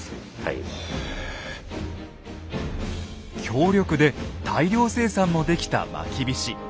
強力で大量生産もできたまきびし。